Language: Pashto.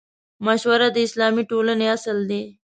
مشوره د اسلامي ټولنې اصل دی.